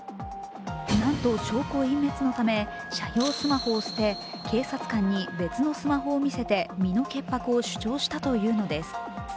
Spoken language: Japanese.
なんと証拠隠滅のため、社用スマホを捨て警察官に別のスマホを見せて身の潔白を主張したというのです。